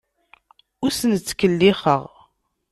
Ur asen-ttkellixeɣ.